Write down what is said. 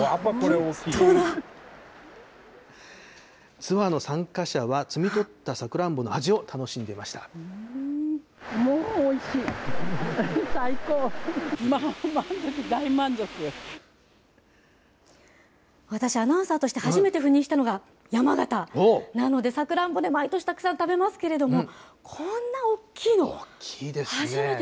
ツアーの参加者は、摘み取ったさくらんぼの味を楽しんでいま私、アナウンサーとして初めて赴任したのが山形なので、さくらんぼね、毎年たくさん食べますけれども、大きいですね。